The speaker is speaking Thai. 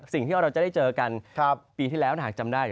สิ่งที่เราจะได้เจอกันปีที่แล้วถ้าหากจำได้